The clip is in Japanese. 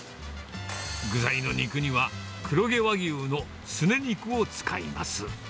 具材の肉には黒毛和牛のすね肉を使います。